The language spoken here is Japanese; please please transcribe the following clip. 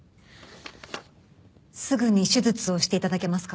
すぐに手術をして頂けますか？